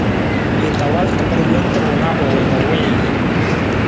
I ta wal tamar wonta ru na u wii na u wiiji.